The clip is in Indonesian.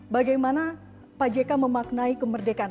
bagaimana pak jk memaknai kemerdekaan